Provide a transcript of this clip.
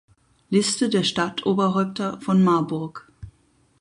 Liste der Stadtoberhäupter von Marburg